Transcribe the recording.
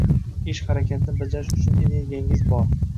Ish-harakatni bajarish uchun energiyangiz bor.